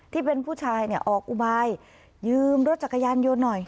ที่เป็นผู้ชายเนี่ยออกอุบายยืมรถจักรยานยนต์หน่อย